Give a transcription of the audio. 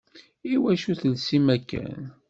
Iwacu telsim akken?